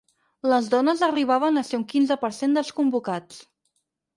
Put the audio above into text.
Les dones arribaven a ser un quinze per cent dels convocats.